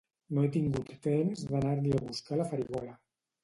No he tingut temps d'anar-li a buscar la farigola